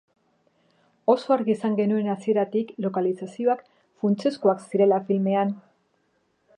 Oso argi izan genuen hasieratik lokalizazioak funtsezkoak zirela filmean.